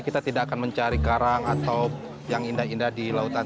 kita tidak akan mencari karang atau yang indah indah di lautan